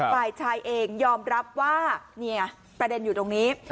ฝ่ายชายเองยอมรับว่าเนี่ยประเด็นอยู่ตรงนี้